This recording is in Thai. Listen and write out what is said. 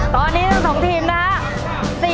ตอนนี้ทั้ง๒ทีมนะครับ